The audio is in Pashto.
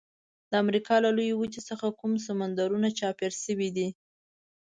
د امریکا له لویې وچې څخه کوم سمندرونه چاپیر شوي دي؟